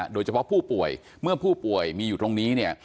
โดยเฉพาะผู้ป่วยเมื่อผู้ป่วยมีอยู่ตรงนี้เนี่ย